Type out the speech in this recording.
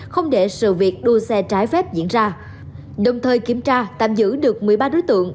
không để sự việc đua xe trái phép diễn ra đồng thời kiểm tra tạm giữ được một mươi ba đối tượng